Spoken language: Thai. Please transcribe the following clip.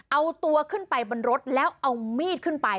เอาตัวขึ้นไปบนรถแล้วเอามีดขึ้นไป